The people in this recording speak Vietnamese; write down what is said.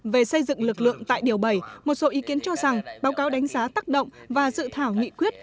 về xây dựng lực lượng tại điều bảy một số ý kiến cho rằng báo cáo đánh giá tác động và dự thảo nghị quyết